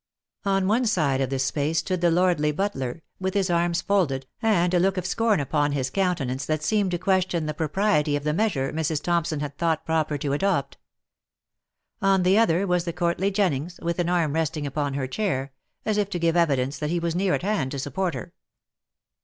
On one side of this space stood the lordly butler, with his arms folded, and a look of scorn upon his countenance that seemed to question the propriety of the measure Mrs. Thompson had thought proper to adopt. On the other was the courtly Jennings, with an arm resting upon her chair, as if to give evidence that he was near at hand to support her.